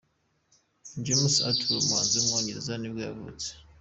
James Arthur, umuhanzi w’umwongereza nibwo yavutse.